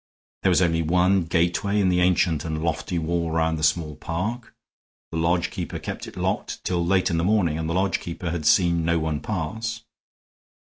There was only one gateway in the ancient and lofty wall round the small park; the lodge keeper kept it locked till late in the morning, and the lodge keeper had seen no one pass.